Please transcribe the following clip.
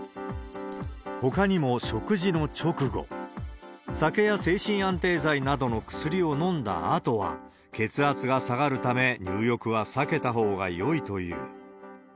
ほかにも、食事の直後、酒や精神安定剤などの薬を飲んだあとは、血圧が下がるため、入浴は避けたほうがよいという。